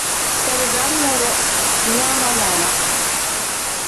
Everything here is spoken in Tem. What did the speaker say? Keeri dam woro nyaa ma naana.